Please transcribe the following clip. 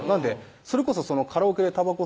それこそカラオケでたばこ